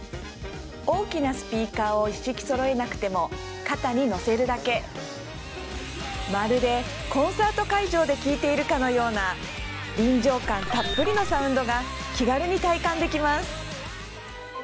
大きなスピーカーを一式揃えなくても肩に乗せるだけまるでコンサート会場できいているかのような臨場感たっぷりのサウンドが気軽に体感できます